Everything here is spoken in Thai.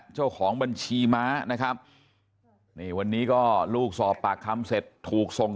เจ้าของบัญชีม้านะครับนี่วันนี้ก็ลูกสอบปากคำเสร็จถูกส่ง